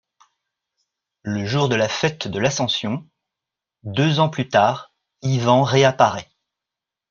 Le jour de la fête de l'Assomption, deux ans plus tard, Ivan réapparait.